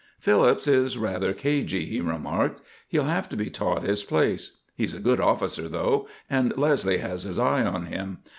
"Phillips is rather cagey," he remarked. "He'll have to be taught his place. He's a good officer, though; and Leslie has his eye on him.